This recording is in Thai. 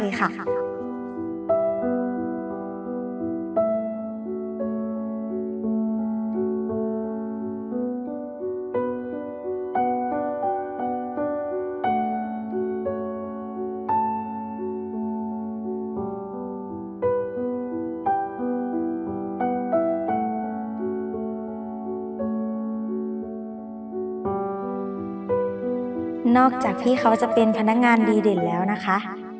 ดีเด่นแล้วนอกจากที่เขาจะเป็นพนักงานดีเด่นแล้วนะคะ